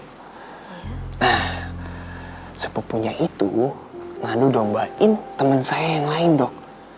nah sepupunya itu lalu dombain teman saya yang lain dok